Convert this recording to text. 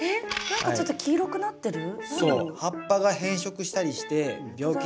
何かちょっと黄色くなってる？